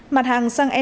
mặt hàng xăng dầu